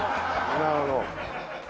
なるほど。